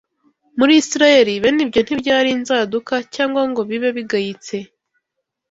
Muri Isirayeli, bene ibyo ntibyari inzaduka cyangwa ngo bibe bigayitse